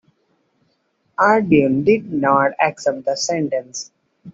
Arduin did not accept the sentence.